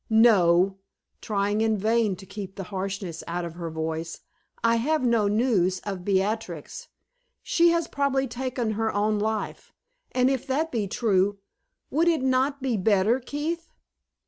"No," trying in vain to keep the harshness out of her voice "I have no news of Beatrix. She has probably taken her own life; and if that be true, would it not be better, Keith?"